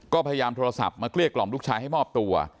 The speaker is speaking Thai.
ก็พยายามโทรศัพท์มาเกลี้ยกล่อมลูกชายให้มอบตัว